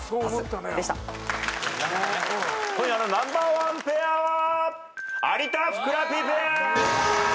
今夜のナンバーワンペアは。